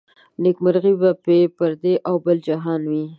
نيکمرغي به يې پر دې او بل جهان وي